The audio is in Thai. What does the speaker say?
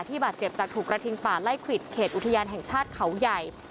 บาดเจ็บจากถูกกระทิงป่าไล่ควิดเขตอุทยานแห่งชาติเขาใหญ่